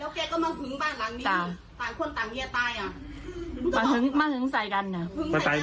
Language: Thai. แล้วแกก็มาหึงบ้านหลังนี้ต่างคนต่างเฮียตายอะ